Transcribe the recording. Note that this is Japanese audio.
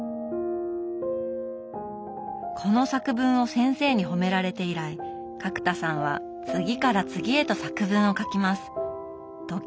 この作文を先生に褒められて以来角田さんは次から次へと作文を書きます。